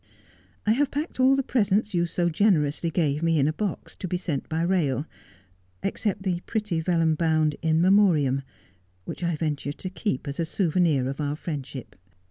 ' I have packed all the presents you so generously gave me in a box, to be sent by rail — except the pretty vellum bound " In Memoriam," which I venture to keep as a souvenir of our friendship.